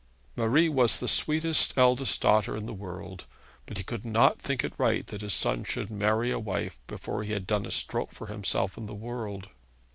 Marie was the sweetest eldest daughter in the world, but he could not think it right that his son should marry a wife before he had done a stroke for himself in the world.